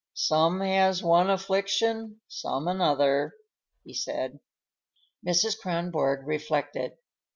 "Some has one affliction, some another," he said. Mrs. Kronborg reflected.